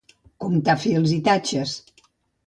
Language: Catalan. Comptar fils i tatxes.